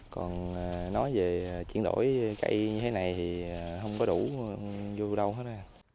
còn nói về chuyển đổi cây như thế này thì không có đủ vô đâu hết